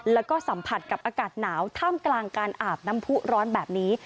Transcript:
แล้วก็สัมผัสกับอากาศหนาวท่ามกลางการอาบน้ำผู้ร้อนแบบนี้